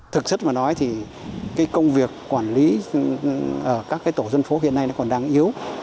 thực sự mà nói thì cái công việc quản lý các cái tổ dân phố hiện nay nó còn đang yếu